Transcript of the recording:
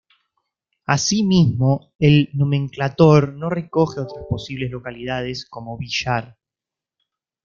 Así mismo, el nomenclátor no recoge otras posibles localidades, como Villar.